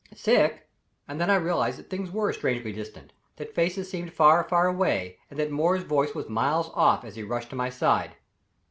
"Sick!" and then I realized that things were strangely distant, that faces seemed far, far away, and that Moore's voice was miles off as he rushed to my side.